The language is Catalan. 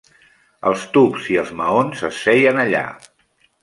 Els tubs i els maons es feien allà.